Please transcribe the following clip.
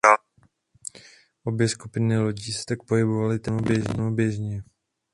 Obě skupiny lodí se tak pohybovaly téměř rovnoběžně.